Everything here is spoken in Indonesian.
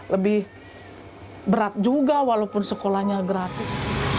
lebih berat juga walaupun sekolahnya gratis